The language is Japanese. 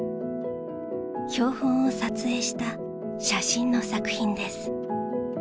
標本を撮影した写真の作品です